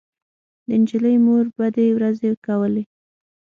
د نجلۍ مور بدې ورځې کولې